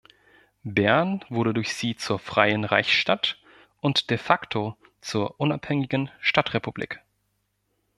Bern wurde durch sie zur Freien Reichsstadt und "de facto" zur unabhängigen Stadtrepublik.